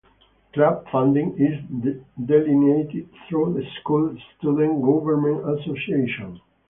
Club funding is delineated through the school's Student Government Association.